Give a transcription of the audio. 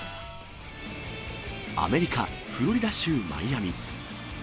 アメリカ・フロリダ州マイアミ。